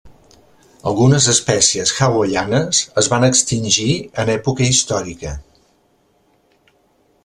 Algunes espècies hawaianes es van extingir en època històrica.